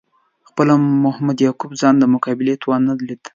خپله محمد یعقوب خان د مقابلې توان نه لید.